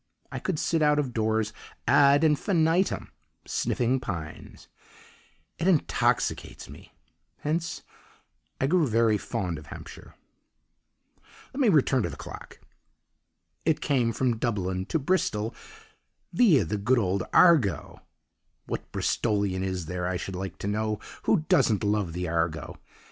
I could sit out of doors ad infinitum sniffing pines. It intoxicates me; hence I grew very fond of Hampshire. "Let me return to the clock. It came from Dublin to Bristol viâ the good old Argo (what Bristolian is there, I should like to know, who doesn't love the Argo!)